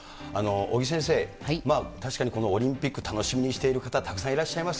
尾木先生、確かにオリンピック、楽しみにしている方、たくさんいらっしゃいます。